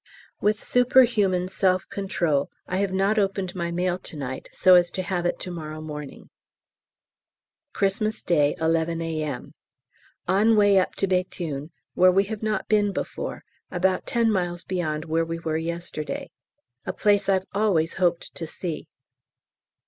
With superhuman self control I have not opened my mail to night so as to have it to morrow morning. Xmas Day, 11 A.M. On way up again to Béthune, where we have not been before (about ten miles beyond where we were yesterday), a place I've always hoped to see.